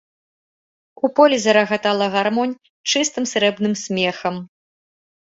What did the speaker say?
У полі зарагатала гармонь чыстым срэбным смехам.